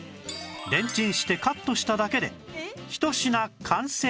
レンチンしてカットしただけでひと品完成